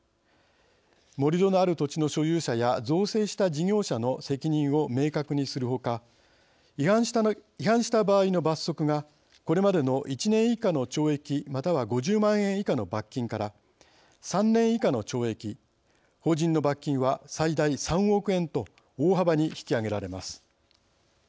盛り土のある土地の所有者や造成した事業者の責任を明確にするほか違反した場合の罰則がこれまでの１年以下の懲役または５０万円以下の罰金から３年以下の懲役法人の罰金は最大３億円と大幅に引き上げられます。